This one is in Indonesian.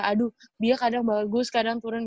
aduh dia kadang bagus kadang turun